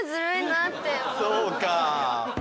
そうか。